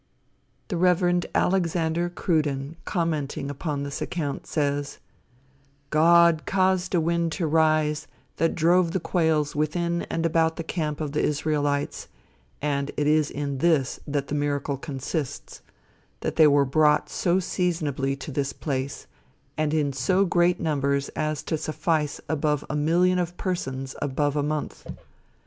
The Rev. Alexander Cruden commenting upon this account says: "God caused a wind to rise that drove the quails within and about the camp of the Israelites; and it is in this that the miracle consists, that they were brought so seasonably to this place, and in so great numbers as to suffice above a million of persons above a month.